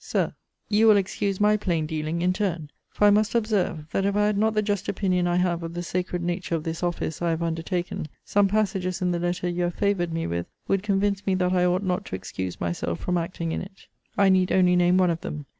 SIR, You will excuse my plain dealing in turn: for I must observe, that if I had not the just opinion I have of the sacred nature of this office I have undertaken, some passages in the letter you have favoured me with would convince me that I ought not to excuse myself from acting in it. I need only name one of them.